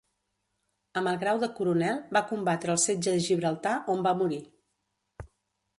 Amb el grau de coronel, va combatre al setge de Gibraltar, on va morir.